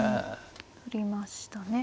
取りましたね。